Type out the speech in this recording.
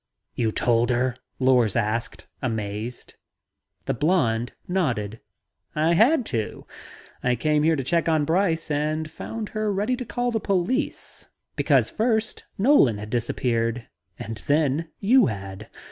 "You told her?" Lors asked, amazed. The blond nodded. "I had to. I came here to check on Brice and found her ready to call the police because first Nolan had disappeared and then you had.